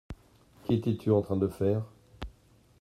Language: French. Qu’étais-tu en train de faire ?